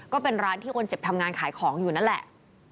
ก็เป็นร้านที่คนเจ็บทำงานขายของอยู่นั่นแหละ